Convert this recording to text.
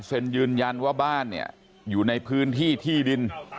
เพราะบ้านอยู่ในพื้นที่ฐีดิน